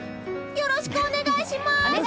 よろしくお願いします！